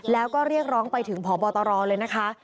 แล้วก็เรียกร้องไปถึงพบตรเลยนะคะ